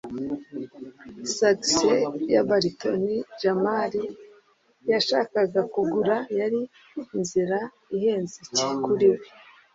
sax ya baritone jamali yashakaga kugura yari inzira ihenze kuri we